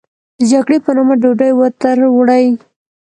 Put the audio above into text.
د جګړې په نامه ډوډۍ و تروړي.